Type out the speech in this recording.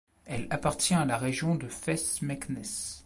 Elle appartient à la région de Fès-Meknès.